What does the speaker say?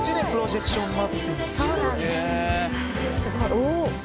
お！